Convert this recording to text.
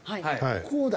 こうだ。